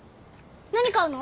何買うの？